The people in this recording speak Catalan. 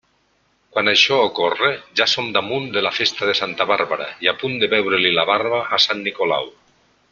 Quan això ocorre, ja som damunt de la festa de Santa Bàrbara i a punt de veure-li la barba a sant Nicolau.